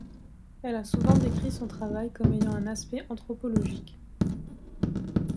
Elle a souvent décrit son travail comme ayant un aspect anthropologique.